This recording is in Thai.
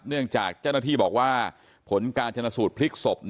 เนื่องจากเจ้าหน้าที่บอกว่าผลการชนะสูตรพลิกศพ